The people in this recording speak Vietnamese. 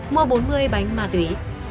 mua bốn mươi bánh ma túy